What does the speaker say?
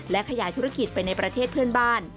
และขยายธุรกิจไปในประเทศเพื่อนบ้าน